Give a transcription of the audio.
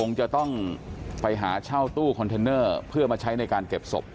คงจะต้องไปหาเช่าตู้คอนเทนเนอร์เพื่อมาใช้ในการเก็บศพ